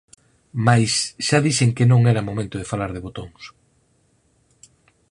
Mais xa dixen que non era momento de falar de botóns.